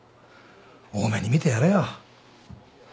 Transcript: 大目に見てやれよ。